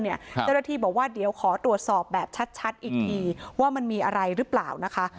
เจ้าหน้าที่บอกว่าเดี๋ยวขอตรวจสอบแบบชัดอีกทีว่ามันมีอะไรหรือเปล่านะคะ